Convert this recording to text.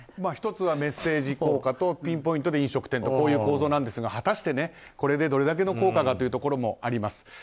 １つはメッセージ効果とピンポイントで飲食店という構造なんですが果たしてこれでどれだけの効果がというところもあります。